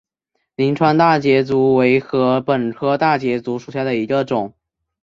灵川大节竹为禾本科大节竹属下的一个种。